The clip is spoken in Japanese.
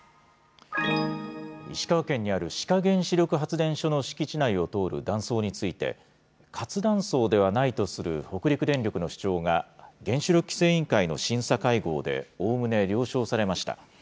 石川県にある志賀原子力発電所の敷地内を通る断層について、活断層ではないとする北陸電力の主張が、原子力規制委員会の審査会合で、おおむね了承されました。